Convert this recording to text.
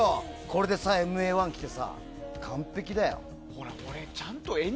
これでＭＡ１着てさ、完璧だよ。